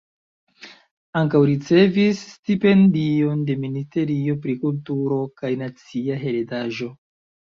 Ankaŭ ricevis stipendion de Ministerio pri Kulturo kaj Nacia Heredaĵo.